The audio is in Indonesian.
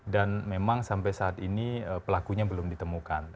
dan memang sampai saat ini pelakunya belum ditemukan